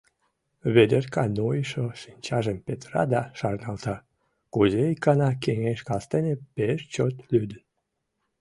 Ведерка нойышо шинчажым петыра да шарналта, кузе икана кеҥеж кастене пеш чот лӱдын.